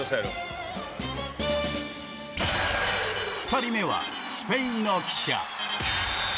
２人目はスペインの記者。